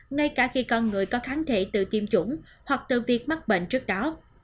ngay cả khi con người có kháng thể tự tiêm chủng hoặc từ việc mắc bệnh trước đó